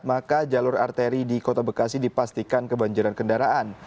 maka jalur arteri di kota bekasi dipastikan kebanjiran kendaraan